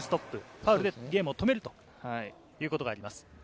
ファウルでゲームを止めるということがあります。